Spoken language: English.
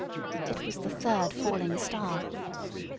It was the third falling star!